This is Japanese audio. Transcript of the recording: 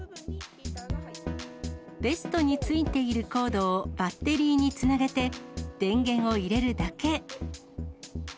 ベストについているコードをバッテリーにつなげて、電源を入れるだけ。